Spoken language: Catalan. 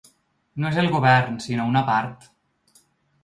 No és el govern, sinó una part